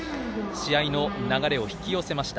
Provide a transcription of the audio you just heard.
試合の流れを引き寄せました。